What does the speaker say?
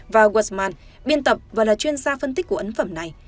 và wesman biên tập và là chuyên gia phân tích của ấn phẩm này